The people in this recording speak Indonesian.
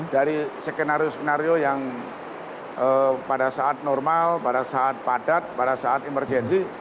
dari skenario skenario yang pada saat normal pada saat padat pada saat emergensi